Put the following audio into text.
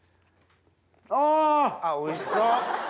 あっおいしそう！